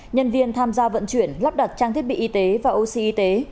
nhân viên tham gia vận chuyển lắp đặt trang thiết bị y tế và oxy y tế